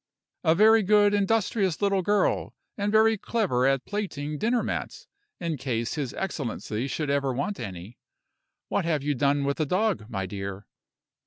"A very good, industrious little girl; and very clever at plaiting dinner mats, in case his excellency should ever want any. What have you done with the dog, my dear?"